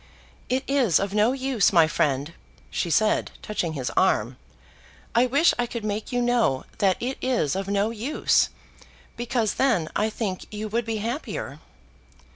"It is of no use, my friend," she said, touching his arm. "I wish I could make you know that it is of no use, because then I think you would be happier."